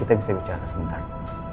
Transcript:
kita bisa bicara sebentar